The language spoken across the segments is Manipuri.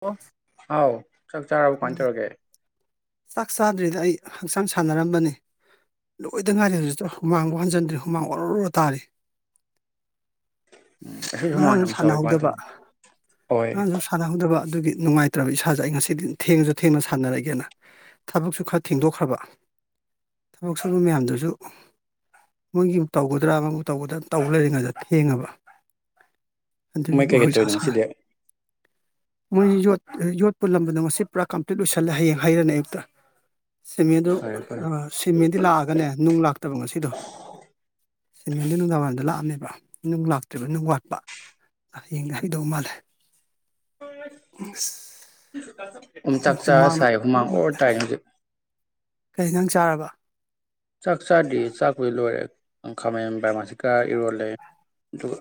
ꯑꯣ ꯑꯥꯎ ꯆꯥꯛ ꯆꯥꯔꯕ ꯀꯃꯥꯏꯅ ꯎꯝ ꯇꯧꯔꯒꯦ ꯆꯥꯛ ꯆꯥꯗ꯭ꯔꯤꯗ ꯑꯩ ꯍꯛꯆꯥꯡ ꯁꯥꯟꯅꯔꯝꯕꯅꯤ ꯂꯣꯏꯗ ꯉꯥꯏꯔꯤ ꯍꯧꯖꯤꯛ ꯍꯨꯃꯥꯡꯕꯨ ꯍꯟꯖꯤꯟꯗ꯭ꯔꯤ ꯍꯨꯃꯥꯡ ꯑꯣꯔꯣ ꯔꯣ ꯇꯥꯔꯤ ꯎꯝ ꯑꯁꯤ ꯁꯨꯃꯥꯡ ꯉꯔꯥꯡꯖꯨ ꯌꯥꯝ ꯁꯥꯎꯋꯤ ꯀꯃꯥꯏꯅ ꯁꯥꯟꯅꯍꯧꯗꯕ ꯇꯧꯅꯤ ꯍꯣꯏ ꯉꯔꯥꯡꯖꯨ ꯁꯥꯟꯅꯍꯧꯗꯕ ꯑꯗꯨꯒꯤ ꯅꯨꯡꯉꯥꯏꯇ꯭ꯔꯕ ꯏꯁꯥꯖꯦ ꯑꯩ ꯉꯁꯤꯗꯤ ꯊꯦꯡꯉꯖꯨ ꯊꯦꯡꯅ ꯁꯥꯟꯅꯔꯒꯦꯅ ꯊꯕꯛꯁꯨ ꯈꯔ ꯊꯦꯡꯗꯣꯛꯈ꯭ꯔꯕ ꯊꯕꯛ ꯁꯨꯕ ꯃꯌꯥꯝꯗꯨꯖꯨ ꯃꯣꯏꯒꯤꯕꯨ ꯇꯧꯒꯗ꯭ꯔꯥ ꯑꯃꯕꯨ ꯇꯧꯒꯗ꯭ꯔꯥ ꯇꯧ ꯂꯩꯔꯤꯉꯩꯗ ꯊꯦꯡꯉꯕ ꯑꯗꯨꯒꯤ ꯃꯣꯏ ꯀꯩꯀꯩ ꯍꯧꯖꯤꯛ ꯇꯧꯔꯤꯅꯣ ꯁꯥ ꯉꯁꯤꯗꯤ ꯃꯣꯏ ꯌꯣꯠ ꯌꯣꯠ ꯄꯨꯂꯝꯕꯗꯣ ꯉꯁꯤ ꯄꯨꯔꯥ ꯀꯝꯄ꯭ꯂꯤꯠ ꯂꯣꯏꯁꯤꯜꯂꯦ ꯍꯌꯦꯡ ꯍꯩꯔꯅꯤ ꯑꯌꯨꯛꯇ ꯁꯤꯃꯦꯟꯗꯨ ꯐꯔꯦ ꯐꯔꯦ ꯑꯥ ꯁꯤꯃꯦꯟꯗꯤ ꯂꯥꯛꯑꯒꯅꯦ ꯅꯨꯡ ꯂꯥꯛꯇꯦ ꯐꯠꯇꯕ ꯉꯁꯤꯗꯣ ꯁꯤꯃꯦꯟꯗꯨ ꯅꯨꯡꯗꯥꯡ ꯋꯥꯏꯔꯝꯗ ꯂꯥꯛꯑꯝꯃꯦꯕ ꯅꯨꯡ ꯂꯥꯛꯇ꯭ꯔꯤꯕ ꯅꯨꯡ ꯋꯥꯠꯄ ꯍꯌꯦꯡꯗ ꯍꯩꯗꯧ ꯃꯥꯜꯂꯦ ꯎꯝꯆꯥꯛ ꯆꯥꯑꯒ ꯍꯨꯃꯥꯡꯅ ꯁꯥꯏꯕ ꯍꯨꯃꯥꯡ ꯑꯣꯔ ꯑꯣꯔ ꯇꯥꯏ ꯉꯁꯤ ꯀꯩ ꯏꯟꯁꯥꯡ ꯆꯥꯔꯕ ꯆꯥꯛ ꯆꯥꯗꯦ ꯆꯥꯛꯄꯨꯗꯤ ꯂꯣꯏꯔꯦ ꯈꯥꯃꯦꯟ ꯄꯥꯔꯃꯁꯤꯀ ꯏꯔꯣꯜꯂꯦ ꯑꯗꯨꯒ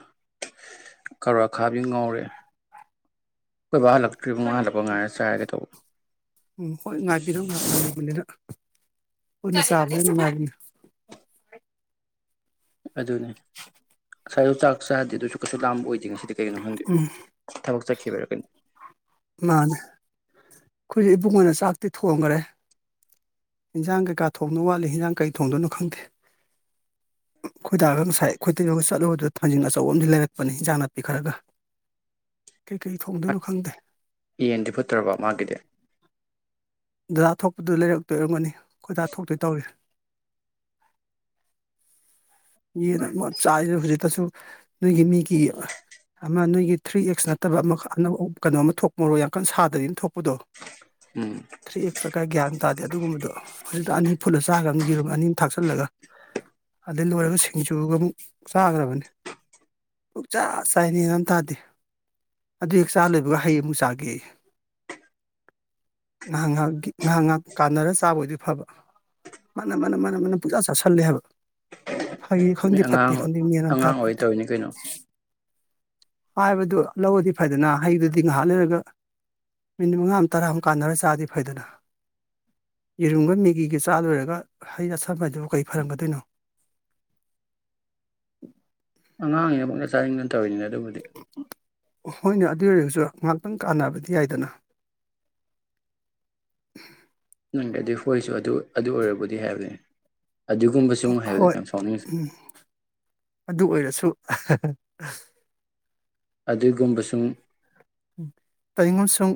ꯀꯥꯔꯣꯠ ꯑꯈꯥꯕꯤ ꯑꯃ ꯉꯧꯔꯦ ꯑꯩꯈꯣꯏ ꯕꯥ ꯍꯜꯂꯛꯇ꯭ꯔꯤꯕ ꯃꯥ ꯍꯜꯂꯛꯄ ꯉꯥꯏꯔ ꯆꯥꯔꯒꯦ ꯇꯧꯕ ꯎꯝ ꯍꯣꯏ ꯉꯥꯏꯕꯤꯔꯝꯑꯣ ꯉꯥꯏꯕꯤꯕꯅꯤꯗ [unintelligible] ꯄꯨꯟꯅ ꯆꯥꯕꯅ ꯅꯨꯡꯉꯥꯏꯕꯅꯤ ꯑꯗꯨꯅꯦ ꯉꯁꯥꯏꯁꯨ ꯆꯥꯛ ꯆꯥꯗꯦ ꯑꯗꯨꯁꯨ ꯀꯩꯁꯨ ꯂꯥꯝꯕ ꯑꯣꯏꯗꯦ ꯉꯁꯤ ꯀꯩꯀꯩꯅꯣ ꯈꯪꯗꯦ ꯎꯝ ꯊꯕꯛ ꯆꯠꯈꯤꯕꯩꯔ ꯀꯩꯅꯣ ꯃꯥꯅꯦ ꯈꯣꯏꯖꯨ ꯏꯕꯨꯡꯉꯣꯅ ꯆꯥꯛꯇꯤ ꯊꯣꯡꯒꯔꯦ ꯏꯟꯖꯥꯡ ꯀꯩꯀꯥ ꯊꯣꯡꯗꯧ ꯋꯥꯠꯂꯤ ꯍꯟꯖꯥꯡ ꯀꯩ ꯊꯣꯡꯗꯣꯏꯅꯣ ꯈꯪꯗꯦ ꯑꯈꯣꯏꯗꯥꯒ ꯉꯁꯥꯏ ꯑꯩꯈꯣꯏ ꯏꯇꯩꯃꯒ ꯆꯠꯂꯨꯕꯗ ꯊꯥꯡꯖꯤꯡ ꯑꯆꯧꯕ ꯑꯃꯗꯤ ꯂꯩꯔꯛꯄꯅꯤ ꯏꯟꯖꯥꯡ ꯅꯥꯄꯤ ꯈꯔꯒ ꯀꯩꯀꯩ ꯊꯣꯡꯗꯣꯏꯅꯣ ꯈꯪꯗꯦ ꯌꯦꯟꯗꯤ ꯐꯨꯠꯇ꯭ꯔꯥꯕ ꯃꯥꯒꯤꯗꯤ ꯗꯥꯗꯥ ꯊꯣꯛꯄꯗꯨ ꯂꯩꯔꯛꯇꯣꯏ ꯑꯣꯏꯔꯝꯒꯅꯤ ꯑꯈꯣꯏꯗꯥ ꯊꯣꯛꯇꯣꯏ ꯇꯧꯔꯤ ꯌꯦꯟ ꯑꯗꯨ ꯆꯥꯏꯁꯦ ꯍꯧꯖꯤꯛꯇꯁꯨ ꯅꯣꯏꯒꯤ ꯃꯤꯒꯤ ꯑꯃ ꯅꯣꯏꯒꯤ ꯊ꯭ꯔꯤ ꯑꯦꯛꯁ ꯅꯠꯇꯕ ꯑꯃ ꯑꯅꯧꯕ ꯀꯩꯅꯣ ꯑꯃ ꯊꯣꯛꯄꯔꯣ ꯌꯥꯝ ꯀꯟ ꯁꯥꯗꯗꯤ ꯑꯃ ꯊꯣꯛꯄꯗꯣ ꯎꯝ ꯊ꯭ꯔꯤ ꯑꯦꯛꯁꯇ ꯀꯥꯏ ꯒ꯭ꯌꯥꯟ ꯇꯥꯗꯦ ꯑꯗꯨꯒꯨꯝꯕꯗꯣ ꯍꯧꯖꯤꯛꯇ ꯑꯅꯤ ꯐꯨꯠꯂ ꯆꯥꯒꯔꯕꯅꯤ ꯌꯦꯔꯨꯝ ꯑꯅꯤ ꯊꯥꯛꯆꯜꯂꯒ ꯑꯗꯩ ꯂꯣꯏꯒ ꯁꯤꯡꯖꯨꯒ ꯑꯃꯨꯛ ꯆꯥꯒꯔꯕꯅꯤ ꯄꯨꯛ ꯆꯥ ꯆꯥꯏ ꯃꯦꯟ ꯑꯃ ꯇꯥꯗꯦ ꯑꯗꯨ ꯍꯦꯛ ꯆꯥ ꯂꯣꯏꯕꯒ ꯍꯩ ꯑꯃꯨꯛ ꯆꯥꯒꯦ ꯌꯦ ꯉꯍꯥꯛ ꯉꯥꯍꯥꯛ ꯉꯥꯍꯥꯛ ꯉꯥꯍꯥꯛ ꯀꯥꯟꯅꯔꯒ ꯆꯥꯕ ꯑꯣꯏꯗꯤ ꯐꯕ ꯃꯅꯝ ꯃꯅꯝ ꯃꯅꯝ ꯃꯅꯝ ꯄꯨꯡꯆꯥꯥ ꯆꯥꯥꯁꯜꯂꯦ ꯍꯥꯏꯕ ꯐꯩ ꯃꯤ ꯈꯪꯗꯦ ꯐꯠꯇꯦ ꯑꯉꯥꯡ ꯈꯪꯗꯦ ꯃꯦꯅ ꯑꯃ ꯑꯉꯥꯡ ꯑꯣꯏ ꯇꯥꯄꯣꯠꯇꯦ ꯇꯧꯔꯤꯅꯤ ꯀꯩꯅꯣ ꯍꯥꯏꯕꯗꯨ ꯂꯧꯔꯗꯤ ꯐꯩꯗꯅ ꯍꯩꯗꯨꯗꯤ ꯉꯥꯏꯍꯥꯛ ꯂꯩꯏꯔꯒ ꯃꯤꯅꯤꯠ ꯃꯉꯥ ꯑꯃ ꯇꯔꯥ ꯑꯃ ꯀꯥꯟꯅꯔ ꯆꯥꯔꯗꯤ ꯐꯩꯗꯅ ꯌꯦꯔꯨꯝꯒ ꯃꯦꯒꯤꯒ ꯆꯥ ꯂꯣꯏꯔꯒ ꯍꯩ ꯆꯥꯁꯟꯕꯗꯨ ꯀꯩ ꯐꯔꯝꯒꯗꯣꯏꯅꯣ ꯑꯉꯥꯡꯅꯤꯅ ꯄꯨꯡꯆꯥ ꯆꯥꯅꯤꯡꯒꯅꯤ ꯇꯧꯔꯤꯅꯦ ꯑꯗꯨꯕꯨꯗꯤ ꯍꯣꯏꯅꯦ ꯑꯗꯨ ꯑꯣꯏꯔꯒꯁꯨ ꯉꯥꯏꯍꯥꯛꯇꯪ ꯀꯥꯟꯅꯕꯗꯤ ꯌꯥꯏꯗꯅ ꯅꯪꯒꯤ ꯑꯗꯨ ꯍꯣꯏꯁꯨ ꯑꯗꯨ ꯑꯗꯨ ꯑꯣꯏꯕꯨꯗꯤ ꯍꯥꯏꯕꯅꯤ ꯑꯗꯨꯒꯨꯝꯕꯁꯨ ꯑꯃꯨꯛ ꯍꯥꯏꯕꯖꯦ ꯍꯣꯏ ꯌꯥꯝ ꯁꯥꯎꯅꯤꯡꯉꯖꯦ ꯎꯝ ꯑꯗꯨ ꯑꯣꯏꯔꯁꯨ ꯑꯍꯥ ꯑꯍꯥ ꯍ ꯑꯗꯨꯒꯨꯝꯕꯁꯨꯡ ꯇꯧꯏꯉꯣꯁꯨꯝ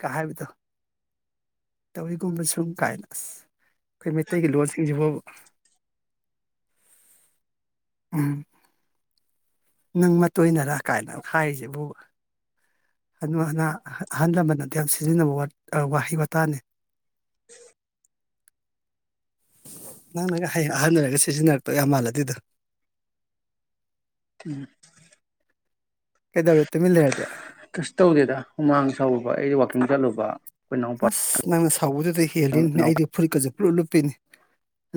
ꯀꯥ ꯍꯥꯏꯕꯗꯣ ꯇꯧꯋꯤꯒꯨꯝꯕ ꯁꯨꯝ ꯀꯥꯏꯅ ꯑꯁ ꯑꯩꯈꯣꯏ ꯃꯩꯇꯩꯒꯤ ꯂꯣꯟꯁꯤꯡꯁꯤꯐꯥꯥꯥꯕꯨꯕ ꯎꯝ ꯅꯪ ꯃꯇꯣꯏꯅꯔ ꯀꯥꯏꯅ ꯍꯥꯏꯔꯤꯁꯤꯕꯨ ꯍꯅꯨ ꯍꯅꯥ ꯑꯍꯜ ꯂꯃꯟꯟꯅꯗꯤ ꯌꯥꯝ ꯁꯤꯖꯤꯟꯅꯕ ꯋꯥꯠ ꯋꯥꯍꯩ ꯋꯥꯇꯥꯅꯤ ꯅꯪꯅꯒ ꯍꯌꯦꯡ ꯑꯍꯟ ꯑꯣꯏꯔꯒ ꯁꯤꯖꯤꯟꯅꯔꯛꯇꯣꯏ ꯌꯥꯝ ꯃꯥꯜꯂ ꯑꯗꯨꯗꯣ ꯎꯝ ꯀꯩꯗꯧꯔꯦ ꯇꯨꯃꯤꯟ ꯂꯩꯔꯗꯤ ꯀꯁ ꯇꯧꯗꯦꯗ ꯍꯨꯃꯥꯡ ꯁꯥꯎꯨꯕ ꯑꯩꯁꯦ ꯋꯥꯛꯀꯤꯡ ꯆꯠꯂꯨꯕ ꯑꯩꯈꯣꯏ ꯏꯅꯥꯎꯄꯥ ꯑꯁ ꯅꯪꯅ ꯁꯥ ꯊꯧꯕꯗꯨꯗ ꯍꯦꯜꯂꯤꯅꯤꯅꯦ ꯏꯅꯥꯎꯄꯥ ꯑꯩꯗꯤ ꯐꯨꯔꯤꯠꯀꯁꯦ ꯄꯨꯂꯞ ꯂꯨꯞꯄꯤꯅꯤ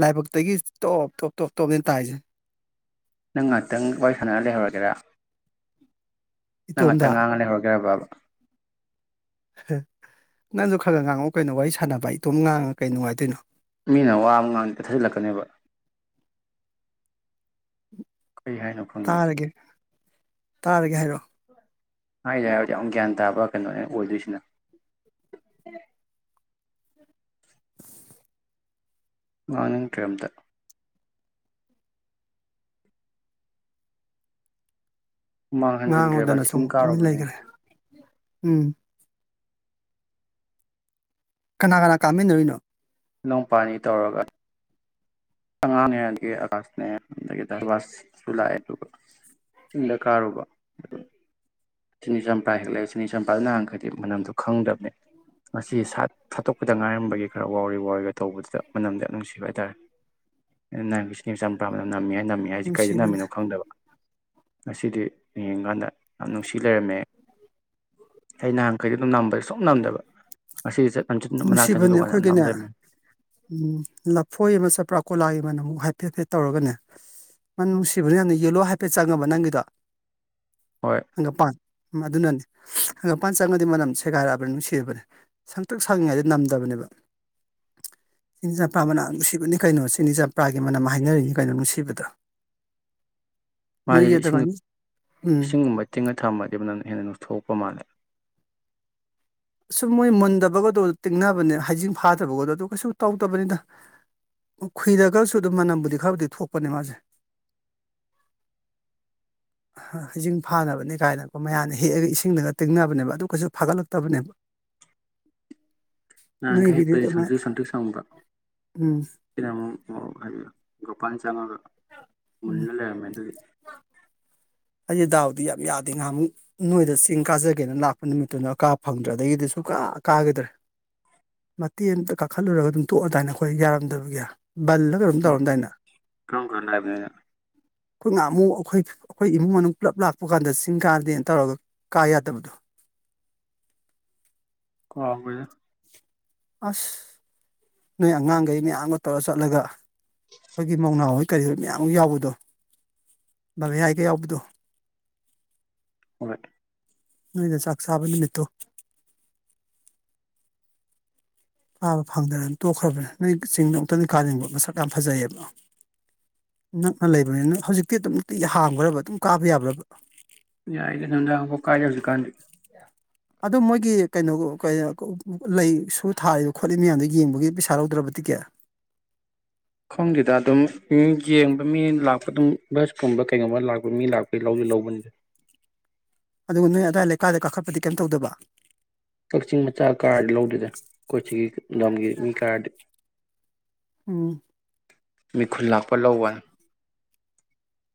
ꯂꯥꯏꯕꯛꯇꯒꯤ ꯇꯣꯞ ꯇꯣꯞ ꯇꯣꯞ ꯇꯣꯞꯅꯦ ꯇꯥꯏꯁꯦ ꯅꯪ ꯉꯥꯏꯍꯥꯛꯇꯪ ꯋꯥꯔꯤ ꯁꯥꯟꯅꯅ ꯂꯩꯍꯧꯔꯒꯦꯔꯥ ꯅꯪ ꯏꯇꯣꯝꯗ ꯉꯥꯛꯇꯪ ꯉꯥꯡꯑꯒ ꯍꯧꯔꯛꯒꯦ ꯕꯕ ꯍꯥ ꯅꯪꯁꯨ ꯈꯔ ꯈꯔ ꯉꯥꯡꯉꯛ ꯀꯩꯅꯣ ꯋꯥꯔꯤ ꯁꯥꯟꯅꯕ ꯑꯩ ꯏꯇꯣꯝ ꯉꯥꯡꯉꯒ ꯀꯩ ꯅꯨꯡꯉꯥꯏꯗꯣꯏꯅꯣ ꯃꯤꯅ ꯋꯥꯕ ꯉꯥꯡ ꯊꯥꯖꯤꯜꯂꯛꯀꯅꯦꯕ ꯀꯩ ꯍꯥꯏꯅꯣ ꯈꯪꯗꯦ ꯇꯔꯒꯦ ꯍꯥꯏꯔꯣ ꯍꯥꯏꯗꯤ ꯍꯥꯏ ꯌꯥꯝ ꯒ꯭ꯌꯥꯟ ꯇꯥꯕ ꯀꯩꯅꯣꯅꯦ ꯑꯣꯏꯗꯣꯏꯁꯤꯅ ꯉꯥꯡꯅꯤꯡꯗ꯭ꯔꯦ ꯑꯝꯇ ꯍꯨꯃꯥꯡ ꯍꯟꯖꯤꯟꯗ꯭ꯔꯦꯕ ꯉꯥꯡꯉꯨꯗꯅꯁꯨ ꯆꯤꯡ ꯑꯃꯨꯛ ꯇꯨꯃꯤꯟ ꯀꯥꯔꯨꯕꯅꯦ ꯂꯩꯈ꯭ꯔꯦ ꯎꯝ ꯀꯅꯥ ꯀꯅꯥ ꯀꯥꯝꯃꯤꯟꯅꯔꯨꯏꯅꯣ ꯅꯥꯎꯄꯥꯅꯤ ꯇꯧꯔꯒ ꯑꯉꯥꯡꯅꯦ ꯑꯗꯒꯤ ꯑꯀꯥꯁꯅꯦ ꯑꯗꯒꯤ ꯙꯕꯥꯥꯁꯁꯨ ꯂꯥꯛꯑꯦ ꯑꯗꯨꯒ ꯆꯤꯡꯗ ꯀꯥꯔꯨꯕ ꯑꯗꯨ ꯆꯤꯅꯤ ꯆꯝꯄ꯭ꯔꯥ ꯍꯦꯛꯂꯛꯑꯦ ꯆꯤꯅꯤ ꯆꯝꯄ꯭ꯔꯥꯗ ꯅꯍꯥꯟꯈꯩꯗꯤ ꯃꯅꯝꯗꯣ ꯈꯪꯗꯕꯅꯦ ꯉꯁꯤ ꯊꯥꯠꯇꯣꯛꯄꯗ ꯉꯥꯏꯔꯝꯕꯒꯤ ꯈꯔ ꯋꯥꯎꯔꯤ ꯋꯥꯎꯔꯤꯒ ꯇꯧꯕꯗꯨꯗ ꯃꯅꯝꯗꯤ ꯌꯥꯝ ꯅꯨꯡꯁꯤꯕ ꯍꯥꯏꯇꯥꯔꯦ ꯑꯩꯅ ꯅꯍꯥꯟ ꯆꯤꯅꯤ ꯆꯝꯄ꯭ꯔꯥ ꯃꯅꯝ ꯅꯝꯃꯦ ꯍꯥꯏ ꯅꯝꯃꯤ ꯍꯥꯏꯁꯤꯦ ꯀꯩꯗ ꯅꯨꯡꯁꯤꯕꯅꯦ ꯅꯝꯃꯤꯅꯣ ꯈꯪꯗꯕ ꯉꯁꯤꯗꯤ ꯌꯦꯡꯀꯥꯟꯗ ꯌꯥꯝ ꯅꯨꯡꯁꯤ ꯂꯩꯔꯝꯃꯦ ꯑꯩ ꯅꯍꯥꯟꯈꯩꯗ ꯑꯗꯨꯝ ꯅꯝꯕꯗ ꯁꯨꯝ ꯅꯝꯗꯕ ꯉꯁꯤꯗꯤ ꯆꯠ ꯂꯝꯆꯠ ꯃꯅꯥꯛꯇ ꯅꯨꯡꯁꯤꯕꯅꯦ ꯆꯠꯂꯨꯀꯥꯟꯗ ꯌꯥꯝ ꯅꯝ ꯑꯩꯈꯣꯏꯒꯤꯅꯦ ꯂꯩꯔꯝꯃꯦ ꯎ ꯂꯐꯣꯏ ꯑꯃ ꯆꯄ꯭ꯔꯥꯛ ꯀꯣꯂꯥꯒꯤ ꯃꯅ ꯑꯃꯨꯛ ꯍꯥꯏꯐꯦꯠꯐꯦꯠ ꯇꯧꯔꯒꯅꯦ ꯃꯅꯝ ꯅꯨꯡꯁꯤꯕꯅ ꯌꯥꯝꯅ ꯌꯦꯜꯂꯣ ꯍꯥꯏꯐꯦꯠ ꯆꯪꯉꯕ ꯅꯪꯒꯤꯗꯣ ꯍꯣꯏ ꯍꯪꯒꯄꯥꯟ ꯑꯗꯨꯅꯅꯤ ꯍꯪꯒꯄꯥꯟ ꯆꯪꯉꯗꯤ ꯃꯅꯝ ꯁꯦꯒꯥꯏꯔꯛꯑꯕꯅꯤ ꯅꯨꯡꯔꯕꯅꯦ ꯁꯪ ꯇꯨ ꯁꯪꯂꯤꯉꯥꯏꯗ ꯅꯝꯗꯕꯅꯦꯕ ꯆꯤꯅꯤ ꯆꯝꯄ꯭ꯔꯥ ꯃꯅꯥ ꯅꯨꯡꯁꯤꯕꯅꯤ ꯀꯩꯅꯣ ꯆꯤꯅꯤ ꯆꯝꯄ꯭ꯔꯥꯒꯤ ꯃꯅꯝ ꯍꯥꯏꯅꯔꯤꯅꯤ ꯀꯩꯅꯣ ꯅꯨꯡꯁꯤꯕꯗ ꯃꯥꯁꯤꯗꯤ ꯏꯁꯤꯡ ꯏꯁꯤꯡꯒꯨꯝꯕ ꯇꯤꯡꯉ ꯊꯝꯃꯗꯤꯕ ꯅꯃꯅꯝ ꯍꯦꯟꯅ ꯅꯩꯊꯣꯛꯄ ꯃꯥꯜꯂꯦ ꯁꯨꯝ ꯃꯣꯏ ꯃꯨꯟꯗꯕꯒꯗꯣ ꯇꯤꯡꯅꯕꯅꯦ ꯍꯩꯖꯤꯡ ꯐꯥꯗꯕꯒꯗꯣ ꯑꯗꯨ ꯀꯩꯁꯨ ꯇꯧꯗꯕꯅꯤꯅ ꯈꯨꯨꯏꯔꯒꯁꯨ ꯑꯗꯨꯝ ꯃꯅꯝꯕꯨꯗꯤ ꯈꯔꯕꯨꯗꯤ ꯊꯣꯛꯄꯅꯦ ꯃꯥꯁꯦ ꯍꯩꯖꯤꯡ ꯐꯥꯅꯕꯅꯤ ꯀꯥꯏꯅꯀꯣ ꯃꯌꯥꯝꯅ ꯍꯦꯛꯑꯒ ꯏꯁꯤꯡꯗꯒ ꯇꯤꯡꯅꯕꯅꯦꯕ ꯑꯗꯨ ꯀꯩꯁꯨ ꯐꯒꯠꯂꯛꯇꯕꯅꯦꯕ ꯅꯍꯥꯟꯈꯩ ꯅꯣꯏꯒꯤꯗꯤ ꯍꯦꯛꯄ ꯑꯗꯨꯃꯥꯏ ꯁꯟꯇ꯭ꯔꯤ ꯁꯟꯇ꯭ꯔꯤ ꯁꯪꯕ ꯎꯝ ꯁꯤꯗ ꯑꯃꯨꯛ ꯍꯥꯏꯕꯤꯌꯨ ꯄꯟ ꯆꯥꯪꯉꯒ ꯎꯝ ꯃꯟꯅꯂꯃꯦ ꯑꯗꯨꯗꯤ ꯑꯩꯁꯦ ꯗꯥꯎꯗꯤ ꯌꯥꯝ ꯌꯥꯗꯦ ꯉꯥꯏꯍꯥꯛꯃꯨꯛ ꯅꯣꯏꯗ ꯆꯤꯡ ꯀꯥꯖꯒꯦꯅ ꯂꯥꯛꯄ ꯅꯨꯃꯤꯠꯇꯨꯅ ꯀꯥ ꯐꯪꯗ꯭ꯔ ꯑꯗꯒꯤꯗꯤ ꯁꯨ ꯀꯥ ꯀꯥꯈꯤꯗ꯭ꯔꯦ ꯃꯇꯦꯛ ꯑꯃꯇ ꯀꯥꯈꯠꯂꯨꯔꯒ ꯑꯗꯨꯝ ꯇꯣꯛꯑꯗꯥꯃꯏꯅ ꯑꯩꯈꯣꯏ ꯌꯥꯔꯝꯗꯕꯒꯤ ꯕꯜꯂ ꯀꯩꯅꯣꯝ ꯀꯔꯝ ꯇꯧꯔꯝ ꯗꯥꯏꯅꯦ ꯀꯔꯝ ꯀꯥꯟꯗ ꯍꯥꯏꯕꯅꯣ ꯑꯩꯅ ꯑꯩꯈꯣꯏ ꯉꯥꯍꯃꯨꯛ ꯑꯩꯈꯣꯏ ꯑꯩꯈꯣꯏ ꯏꯃꯨꯡ ꯃꯅꯨꯡ ꯄꯨꯂꯞ ꯂꯥꯛꯄ ꯀꯥꯟꯗ ꯆꯤꯡ ꯀꯥꯟꯅꯗꯦꯅ ꯇꯧꯔꯒ ꯀꯥ ꯌꯥꯗꯕꯗꯣ ꯀꯧꯒ꯭ꯔꯦ ꯑꯁ ꯅꯣꯏ ꯑꯉꯥꯡꯈꯩ ꯃꯌꯥꯝꯒ ꯇꯧꯔ ꯆꯠꯂꯒ ꯑꯩꯈꯣꯏꯒꯤ ꯃꯧꯅꯥꯎ ꯍꯣꯏ ꯀꯔꯤ ꯃꯌꯥꯝ ꯑꯃ ꯌꯥꯎꯕꯗꯣ ꯚꯕꯌꯥꯏꯒ ꯌꯥꯎꯕꯗꯣ ꯑꯣꯏ ꯅꯣꯏꯗ ꯆꯥꯛꯆꯕ ꯅꯨꯃꯤꯠꯇꯣ ꯀꯥꯕ ꯐꯪꯗ꯭ꯔꯅ ꯇꯣꯛꯈ꯭ꯔꯕꯅꯤ ꯅꯣꯏ ꯆꯤꯡꯗꯣ ꯑꯃꯨꯛꯇꯅ ꯀꯥꯅꯤꯡꯕ ꯃꯁꯛ ꯌꯥꯝ ꯐꯖꯩꯌꯦꯕ ꯅꯛꯅ ꯂꯩꯕꯅꯤ ꯅꯣꯏ ꯍꯧꯖꯤꯛꯇꯤ ꯑꯗꯨꯝꯤ ꯍꯥꯡꯈ꯭ꯔꯕ ꯑꯗꯨꯝ ꯀꯥꯕ ꯌꯥꯕ꯭ꯔꯕ ꯌꯥꯏꯗ ꯅꯨꯪꯗꯕꯨ ꯀꯥꯏꯅꯁꯨ ꯀꯥꯏꯅꯗꯦ ꯀꯩꯅꯣꯒꯣ ꯀꯩꯌ ꯀꯣ ꯂꯩ ꯁꯨ ꯊꯥꯔꯤꯕ ꯈꯣꯠꯂꯤꯕ ꯃꯌꯥꯝꯗꯣ ꯌꯦꯡꯕꯒꯤ ꯄꯩꯁꯥ ꯂꯧꯗ꯭ꯔꯕ ꯇꯤꯀꯦꯠ ꯈꯣꯡꯁꯤꯗ ꯑꯗꯨꯝ ꯌꯦꯡꯕ ꯃꯤ ꯂꯥꯛꯄ ꯑꯗꯨꯝ ꯕꯁꯀꯨꯝꯕ ꯀꯩꯒꯨꯝꯕ ꯂꯥꯛꯄ ꯃꯤ ꯂꯥꯛꯄꯒꯤ ꯂꯧꯁꯨ ꯂꯧꯕꯅꯤꯁꯦ ꯑꯗꯨꯒ ꯅꯣꯏ ꯑꯗꯥꯋꯥꯏ ꯂꯩꯀꯥꯏꯗ ꯀꯥꯈꯠꯄꯗꯤ ꯀꯩꯝ ꯇꯧꯗꯕ ꯀꯛꯆꯤꯡ ꯃꯆꯥ ꯀꯥꯔꯗꯤ ꯂꯧꯗꯣꯏꯗ ꯑꯩꯈꯣꯏꯆꯤꯒꯤ ꯂꯝ ꯂꯝꯒꯤ ꯃꯤ ꯀꯥꯔꯗꯤ ꯎꯝ ꯃꯤ ꯈꯨꯜ ꯂꯥꯛꯄ ꯂꯧꯕ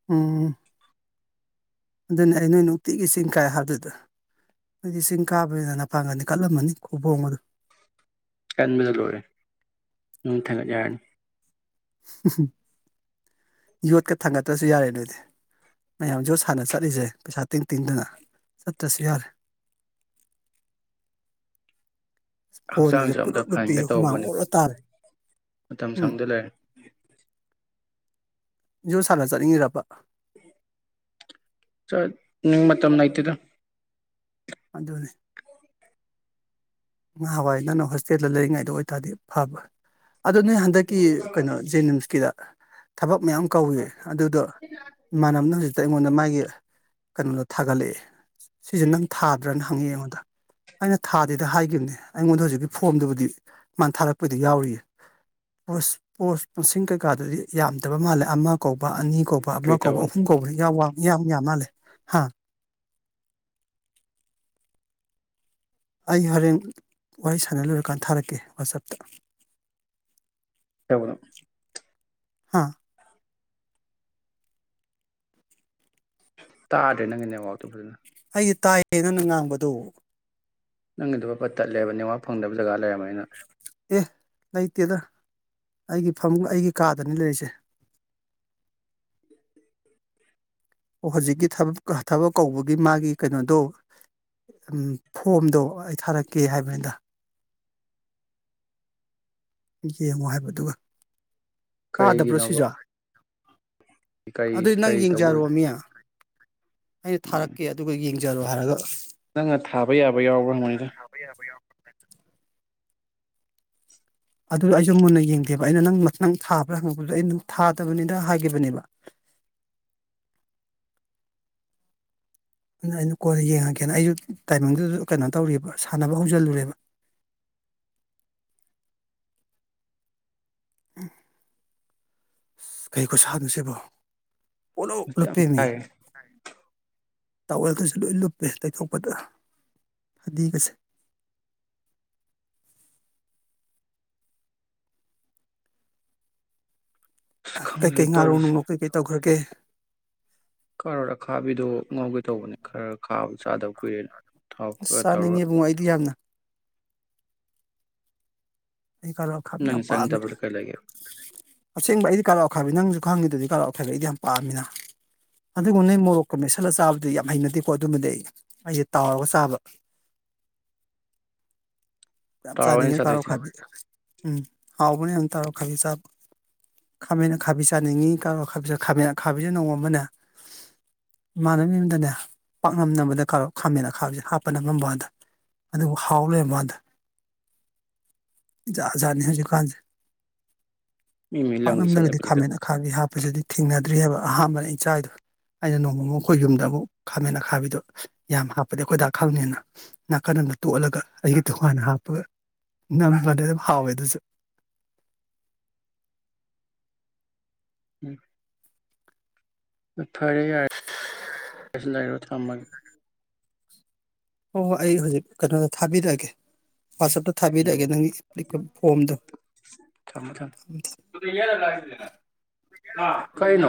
ꯎꯝ ꯑꯗꯨꯅꯤ ꯑꯩ ꯅꯣꯏ ꯅꯨꯡꯇꯤꯒꯤ ꯆꯤꯡ ꯀꯥꯏ ꯍꯥꯏꯕꯗꯨꯗ ꯅꯗꯤ ꯆꯤꯡ ꯀꯥꯕꯅꯤꯅꯅ ꯐꯪꯒꯅꯤ ꯀꯠꯂꯝꯃꯅꯤ ꯈꯕꯣꯡ ꯑꯗꯨ ꯀꯟꯕꯗ ꯂꯣꯏꯔꯦ ꯅꯨꯡ ꯊꯥꯡꯒꯠ ꯌꯥꯔꯅꯤ ꯍꯨꯝ ꯍꯨꯝ ꯌꯣꯠꯀ ꯊꯥꯡꯒꯠꯇ꯭ꯔꯁꯨ ꯌꯥꯔꯦ ꯅꯣꯏꯗꯤ ꯃꯌꯥꯝ ꯌꯣꯠ ꯁꯥꯟꯅ ꯆꯠꯂꯤꯁꯦ ꯄꯩꯁꯥ ꯇꯤꯡ ꯇꯤꯡꯗꯅ ꯆꯠꯇ꯭ꯔꯁꯨ ꯌꯥꯔꯦ ꯐꯣꯟꯒꯁꯦ ꯍꯛꯆꯥꯡꯁꯨ ꯑꯝꯇ ꯄꯨꯂꯞ ꯅꯨ ꯄꯤ ꯍꯦ ꯐꯍꯟꯒꯦ ꯍꯨꯃꯥꯡ ꯇꯧꯕꯅꯤ ꯑꯣꯔꯣ ꯑꯣꯔꯤ ꯇꯥꯔꯦ ꯃꯇꯝ ꯎꯝ ꯁꯪꯗ ꯂꯩꯔꯦ ꯌꯣꯠ ꯁꯥꯟꯅ ꯆꯠꯅꯤꯡꯉꯤꯔꯕ ꯅꯪ ꯃꯇꯝ ꯂꯩꯇꯦꯗ ꯑꯗꯨꯅꯤ ꯉꯍꯥꯟꯋꯥꯏ ꯅꯪꯅ ꯍꯣꯁꯇꯦꯜꯗ ꯂꯩꯔꯤꯉꯩꯗ ꯑꯣꯏꯇꯥꯔꯗꯤ ꯐꯕ꯭ꯔ ꯑꯗꯨꯗꯣ ꯅꯣꯏ ꯍꯟꯗꯛꯀꯤ ꯀꯩꯅꯣ ꯖꯦꯅꯤꯝꯁꯀꯤꯔ ꯊꯕꯛ ꯃꯌꯥꯝ ꯀꯧꯏ ꯑꯗꯨꯗꯣ ꯏꯃꯥꯟꯅꯕꯅ ꯍꯧꯖꯤꯛꯇ ꯑꯩꯉꯣꯟꯗ ꯃꯥꯒꯤ ꯀꯩꯅꯣꯗꯣ ꯊꯥꯒꯠꯂꯛꯑꯦ ꯁꯤꯁꯦ ꯅꯪ ꯊꯥꯗ꯭ꯔꯅ ꯍꯪꯉꯤ ꯑꯩꯉꯣꯟꯗ ꯑꯩꯅ ꯊꯥꯗꯦꯗ ꯍꯥꯏ ꯅꯦ ꯑꯩꯉꯣꯟꯗ ꯍꯧꯖꯤꯛꯀꯤ ꯐꯣꯝꯗꯨꯕꯨꯗꯤ ꯃꯥꯅ ꯊꯥꯔꯛꯄꯩꯗꯤ ꯌꯥꯎꯔꯤꯌꯦ ꯄꯣꯁ ꯀꯩꯀꯥꯗꯨꯗꯤ ꯌꯥꯝꯗꯕ ꯃꯥꯜꯂꯦ ꯑꯃ ꯀꯧꯕ ꯑꯅꯤ ꯀꯧꯕ ꯀꯩ ꯑꯃ ꯀꯧꯕ ꯇꯧꯕꯅꯣ ꯑꯍꯨꯝ ꯀꯧꯕ ꯏꯌꯥꯎ ꯋꯥꯡ ꯌꯥꯝ ꯌꯥꯝ ꯃꯥꯜꯂꯦ ꯍꯥꯥ ꯑꯩ ꯍꯣꯔꯦꯟ ꯋꯥꯔꯤ ꯁꯥꯟꯅ ꯂꯣꯏꯔꯀꯥꯟꯗ ꯊꯥꯔꯛꯀꯦ ꯋꯥꯆꯞꯇ [unintelligible] ꯍꯥꯥ ꯇꯥꯗ꯭ꯔꯦ ꯅꯪꯒꯤ ꯅꯦꯠꯋꯥꯛꯇꯣ ꯐꯖꯅ ꯑꯩꯗꯤ ꯇꯥꯏꯌꯦ ꯅꯪꯅ ꯉꯥꯡꯕꯗꯣ ꯅꯪ ꯑꯗꯨꯞꯄꯠ ꯇꯠꯂꯦꯕ ꯅꯦꯋꯥꯥꯛ ꯐꯪꯗꯕ ꯖꯒꯥ ꯂꯩꯔꯝ ꯃꯥꯏꯅ ꯑꯦ ꯂꯩꯇꯦꯗ ꯑꯩꯒꯤ ꯐꯝꯒ ꯑꯩꯒꯤ ꯀꯥꯗꯅꯤ ꯂꯩꯔꯤꯁꯦ ꯑꯣ ꯍꯧꯖꯤꯛꯀꯤ ꯊꯕꯛ ꯊꯕꯛ ꯀꯧꯕꯒꯤ ꯃꯥꯒꯤ ꯀꯩꯅꯣꯗꯣ ꯎꯝ ꯐꯣꯝꯗꯣ ꯑꯩ ꯊꯥꯔꯛꯀꯦ ꯍꯥꯏꯕꯅꯤꯗ ꯌꯦꯡꯉꯣ ꯍꯥꯏꯕꯗꯨꯒ ꯀꯔꯤꯒꯤꯅꯣꯕ ꯇꯥꯗꯕ꯭ꯔꯣꯁꯤꯖꯨ ꯀꯔꯤ ꯑꯗꯨꯗꯤ ꯅꯪ ꯀꯔꯤ ꯇꯧꯕ ꯑꯣꯏ ꯌꯦꯡꯖꯔꯣꯃꯤ ꯑꯩꯅ ꯎꯝ ꯊꯥꯔꯛꯀꯦ ꯑꯗꯨꯒ ꯌꯦꯡ ꯖꯂꯣ ꯍꯥꯏꯔꯒ ꯅꯪꯅ ꯊꯥꯕ ꯌꯥꯕ ꯌꯥꯎꯕ꯭ꯔꯥ ꯍꯪꯕꯅꯤꯗ ꯑꯗꯨ ꯑꯩꯁꯨ ꯃꯨꯟꯅ ꯌꯦꯡꯗꯦꯕ ꯑꯩꯅ ꯅꯪ ꯅꯪ ꯊꯥꯕ꯭ꯔꯥ ꯍꯪꯉꯨꯕꯗꯨꯗ ꯑꯩ ꯅꯪ ꯊꯥꯗꯕꯅꯤꯗ ꯍꯥꯏꯈꯤꯕꯅꯦꯕ ꯗꯨꯅ ꯑꯩꯅ ꯀꯣꯟꯅ ꯌꯦꯡꯉꯒꯦꯅ ꯑꯩꯁꯨ ꯇꯥꯏꯃꯤꯡꯗꯨꯗ ꯀꯩꯅꯣ ꯇꯧꯔꯤꯕ ꯁꯥꯟꯅꯕ ꯍꯧꯖꯤꯜꯂꯨꯔꯦꯕ ꯎ ꯀꯩ ꯈꯨꯁꯥꯅꯣꯁꯤꯕꯣ ꯄꯨꯂꯨꯞ ꯌꯥꯝ ꯂꯨꯞꯄꯦꯃꯤ ꯆꯥꯏꯌꯦ ꯇꯥꯋꯦꯜꯒꯁꯦ ꯂꯣꯏ ꯂꯨꯞꯄꯦ ꯇꯩꯊꯣꯛꯄꯗ ꯐꯗꯤꯒꯁꯦ ꯑꯁ ꯈꯪꯗꯦ ꯀꯩꯀꯩ ꯉꯥꯔꯧ ꯅꯨꯡꯉꯧ ꯀꯩꯀꯩ ꯇꯧꯈ꯭ꯔꯒꯦ ꯀꯥꯔꯣꯟ ꯑꯈꯥꯕꯤꯗꯣ ꯉꯧꯒꯦ ꯇꯧꯕꯅꯦ ꯈꯔ ꯈꯥꯕ ꯆꯥꯗꯕ ꯀꯨꯏꯔꯦꯅ ꯊꯥꯎ ꯑꯁ ꯈꯔ ꯇꯧꯔꯒ ꯆꯥꯅꯤꯡꯉꯦ ꯕꯣ ꯑꯩꯗꯤ ꯌꯥꯝꯅ ꯑꯩ ꯀꯂꯣꯟ ꯑꯈꯥꯕꯤ ꯅꯪ ꯌꯥꯝ ꯄꯥꯝꯃꯦ ꯆꯥꯅꯤꯡꯗꯕꯗꯣ ꯀꯩ ꯂꯩꯒꯦ ꯑꯁꯦꯡꯕ ꯑꯩꯗꯤ ꯀꯂꯣ ꯑꯈꯥꯕꯤ ꯅꯪꯁꯨ ꯑꯈꯥꯡꯒꯤꯗꯨꯗꯤ ꯀꯥꯔꯣꯟ ꯑꯈꯥꯕꯤ ꯑꯩꯗꯤ ꯌꯥꯝ ꯄꯥꯝꯃꯤꯅ ꯑꯗꯨꯕꯨ ꯅꯣꯏ ꯃꯣꯔꯣꯛꯀ ꯃꯦꯠꯁꯜꯂ ꯆꯥꯕꯗꯨꯗꯤ ꯌꯥꯝ ꯍꯩꯅꯗꯦꯀꯣ ꯑꯗꯨꯝꯕꯗꯤ ꯑꯩ ꯑꯩꯗꯤ ꯇꯥꯎꯔꯒ ꯆꯥꯕ ꯌꯥꯝ ꯇꯥꯎꯔ ꯅꯪ ꯆꯥꯅꯤꯡꯉꯦ ꯀꯥꯔꯣ ꯆꯥꯗꯣꯏꯁꯦ ꯑꯈꯥꯕꯤ ꯎꯝ ꯍꯥꯎꯕꯅꯦ ꯑꯝ ꯇꯧꯔ ꯈꯥꯖꯤ ꯆꯥꯕ ꯈꯥꯃꯦꯟ ꯑꯈꯥꯕꯤ ꯆꯥꯅꯤꯡꯉꯤ ꯀꯥꯔꯣꯟ ꯑꯈꯥꯕꯤ ꯈꯥꯃꯦꯟ ꯑꯈꯥꯕꯤꯁꯦ ꯅꯣꯡꯃꯃꯅꯦ ꯏꯃꯥꯟꯅꯕꯩ ꯃꯌꯨꯝꯗꯅꯦ ꯄꯥꯛꯅꯝ ꯅꯝꯕꯗꯅꯦ ꯀꯥꯔꯣ ꯈꯥꯃꯦꯟ ꯑꯈꯥꯕꯤꯁꯦ ꯍꯥꯞꯄ ꯅꯝꯃꯝꯕꯥꯎꯗ ꯑꯗꯨꯕꯨ ꯍꯥꯎ ꯂꯩꯔꯝꯕꯥꯎꯅꯦꯗ ꯖꯥꯠ ꯖꯥꯠꯅꯦ ꯍꯧꯖꯤꯛ ꯀꯥꯟꯖꯦ ꯃꯤ ꯃꯤ ꯂꯝꯒꯤ ꯄꯥꯛꯅꯝꯗꯒꯗꯤ ꯆꯠꯅꯕꯤꯅꯤ ꯈꯥꯃꯦꯟ ꯑꯈꯥꯒꯤ ꯍꯥꯞꯄꯁꯤꯗꯤ ꯊꯦꯡꯅꯗ꯭ꯔꯤ ꯍꯥꯕ ꯑꯍꯥꯥꯟꯕꯅꯦ ꯑꯩ ꯆꯥꯏꯗꯣ ꯑꯩꯅ ꯅꯣꯡꯃꯃꯨꯛ ꯑꯩꯈꯣꯏ ꯌꯨꯝꯗ ꯃꯨꯛ ꯈꯥꯃꯦꯟ ꯑꯈꯥꯕꯤꯗꯣ ꯌꯥꯝ ꯍꯥꯞꯄꯗꯤ ꯑꯩꯈꯣꯏ ꯗꯥ ꯈꯪꯅꯤꯅ ꯅꯥꯀꯟ ꯑꯃꯗ ꯇꯣꯠꯂꯒ ꯑꯩꯒꯤ ꯇꯣꯉꯥꯟꯅ ꯍꯥꯞ ꯄꯒ ꯅꯝꯍꯟꯂꯗꯤ ꯑꯗꯨꯝ ꯍꯥꯎꯋꯦ ꯑꯗꯨꯁꯨ ꯎꯝ ꯐꯔꯦ ꯌꯥꯔꯦ ꯂꯩꯔꯣ ꯊꯝꯃꯒꯦ ꯍꯣꯏ ꯍꯣꯏ ꯑꯩ ꯍꯧꯖꯤꯛ ꯀꯩꯅꯣꯗ ꯊꯥꯕꯤꯔꯛꯑꯒꯦ ꯋꯥꯆꯞꯇ ꯎꯝ ꯊꯥꯕꯤꯔꯛꯑꯒꯦ ꯅꯪꯒꯤ ꯐꯣꯝꯗꯣ ꯊꯦꯝꯃꯦ ꯊꯦꯝꯃꯦ ꯀꯩꯅꯣ